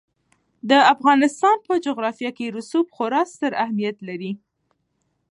د افغانستان په جغرافیه کې رسوب خورا ستر اهمیت لري.